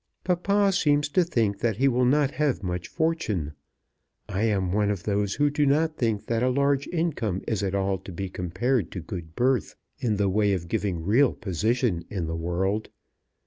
_ Papa seems to think that he will not have much fortune. I am one of those who do not think that a large income is at all to be compared to good birth in the way of giving real position in the world.